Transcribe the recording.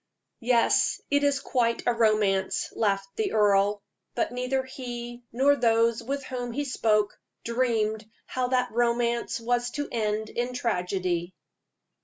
"Yes, it is quite a romance," laughed the earl. But neither he nor those with whom he spoke dreamed how that romance was to end in a tragedy.